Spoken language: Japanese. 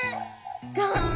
ガーン！